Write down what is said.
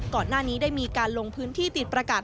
ก่อนหน้านี้ได้มีการลงพื้นที่ติดประกาศ